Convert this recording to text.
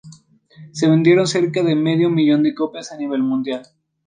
Se vendieron cerca de medio millón de copias a nivel mundial.